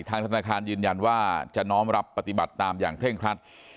ธนาคารยืนยันว่าจะน้อมรับปฏิบัติตามอย่างเคร่งครัด